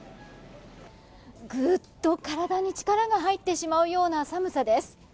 ぐっと体に力が入ってしまうような寒さです。